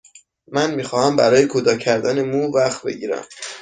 من می خواهم برای کوتاه کردن مو وقت بگیرم.